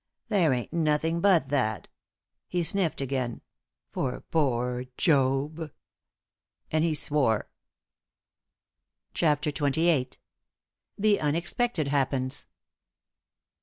There ain't nothing but that," he sniffed again, "for poor Job!" And he swore. CHAPTER XXVIII. THE UNEXPECTED HAPPENS.